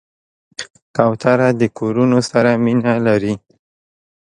کوتره د کورونو سره مینه لري.